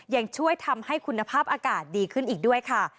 ยังช่วยทำให้คุณภาพอากาศดีขึ้นอีกด้วยค่ะ